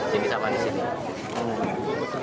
sini sama di sini